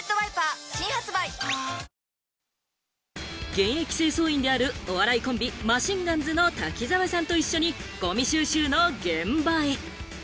現役清掃員である、お笑いコンビ・マシンガンズの滝沢さんと一緒にごみ収集の現場へ。